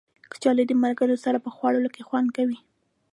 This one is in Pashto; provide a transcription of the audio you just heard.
کچالو د ملګرو سره په خوړلو کې خوند کوي